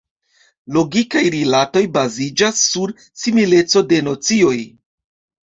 Logikaj rilatoj baziĝas sur simileco de nocioj.